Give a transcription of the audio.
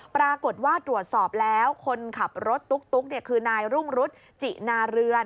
ปรากฏว่าตรวจสอบแล้วคนขับรถตุ๊กคือนายรุ่งรุษจินาเรือน